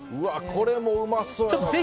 これもうまそうやな。